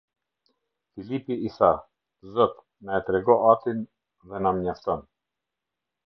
Filipi i tha: "Zot, na e trego Atin, dhe na mjafton".